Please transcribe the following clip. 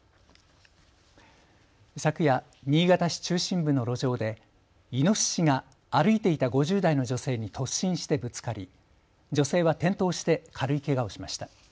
昨夜、新潟市中心部の路上でイノシシが歩いていた５０代の女性に突進してぶつかり女性は転倒して軽いけがをしました。